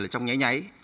ở trong nháy nháy